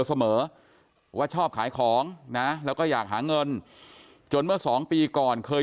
เสมอว่าชอบขายของนะแล้วก็อยากหาเงินจนเมื่อสองปีก่อนเคย